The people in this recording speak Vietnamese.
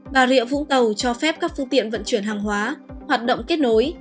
bà rịa vũng tàu cho phép các phương tiện vận chuyển hàng hóa hoạt động kết nối